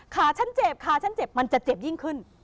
ขาฉันเจ็บมันจะเจ็บยิ่งขึ้น